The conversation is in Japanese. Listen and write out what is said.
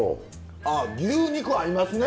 あ牛肉合いますね。